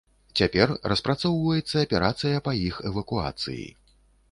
Цяпер распрацоўваецца аперацыя па іх эвакуацыі.